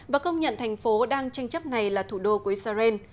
và công nhận thành phố đang tranh chấp này là thủ đô của israel